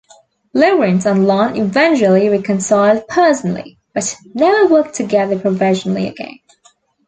Lawrence and Lon eventually reconciled personally, but never worked together professionally again.